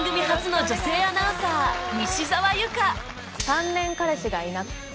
３年彼氏がいなくて。